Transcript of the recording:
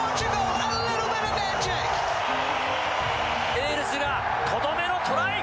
ウェールズがとどめのトライ！